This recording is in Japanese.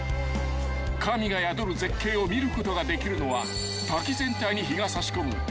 ［神が宿る絶景を見ることができるのは滝全体に日が差し込む］